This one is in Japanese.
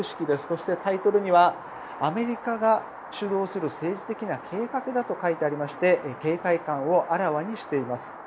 そして、タイトルにはアメリカが主導する政治的な計画だと書いてありまして警戒感をあらわにしています。